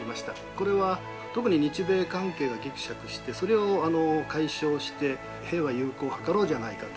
これは特に日米関係がぎくしゃくしてそれを解消して平和友好を図ろうじゃないかと。